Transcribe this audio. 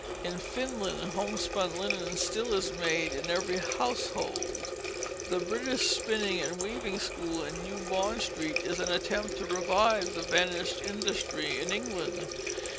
In Finland homespun linen still is made in every household. The British Spinning and Weaving School in New Bond Street is an attempt to revive the vanished industry in England.